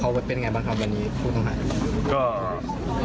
เขาเป็นยังไงบ้างครับวันนี้ผู้ตำราช